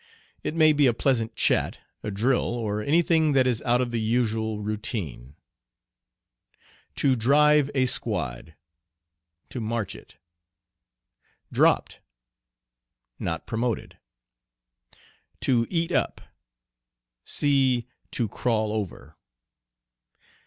It may be a pleasant chat, a drill, or any thing that is out of the usual routine. "To drive a squad." To march it. "Dropped." Not promoted. "To eat up." See "To crawl over."